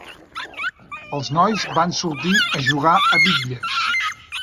Els nois van sortir a jugar a bitlles.